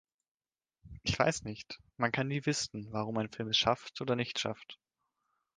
Ich weiß nicht-mann kann nie wissen, warum ein Film es schafft oder nicht schafft.